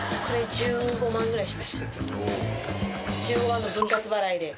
１５万の分割払いで。